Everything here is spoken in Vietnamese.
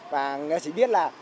và người ta chỉ biết là